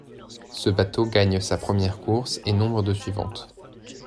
Ce bateau gagne sa première course et nombre de suivantes.